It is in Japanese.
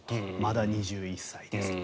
まだ２１歳ですと。